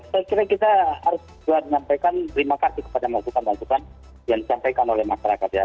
saya kira kita harus juga menyampaikan terima kasih kepada masukan masukan yang disampaikan oleh masyarakat ya